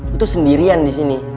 lo tuh sendirian disini